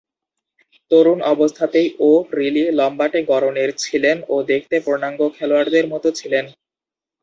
তরুণ অবস্থাতেই ও’রিলি লম্বাটে গড়নের ছিলেন ও দেখতে পূর্ণাঙ্গ খেলোয়াড়দের মতো ছিলেন।